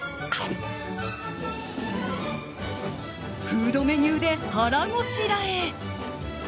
フードメニューで腹ごしらえ。